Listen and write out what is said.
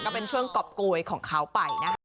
ก็เป็นช่วงกรอบโกยของเขาไปนะคะ